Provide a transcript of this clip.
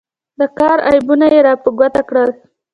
د کار عیبونه یې را په ګوته کړل.